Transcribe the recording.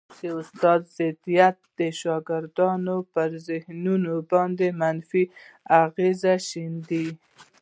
د استاد ضدیت د شاګردانو پر فکرونو باندي منفي اغېز شیندي